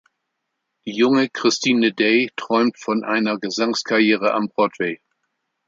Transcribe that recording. Die junge Christine Day träumt von einer Gesangskarriere am Broadway.